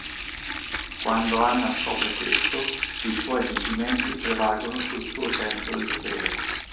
Quando Anna scopre questo, i suoi sentimenti prevalgono sul suo senso del dovere.